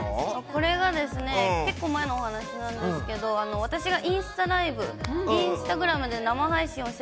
これはですね、結構前のお話なんですけど、私がインスタライブ、インスタグラムで生配信をし